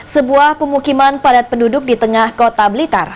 sebuah pemukiman padat penduduk di tengah kota blitar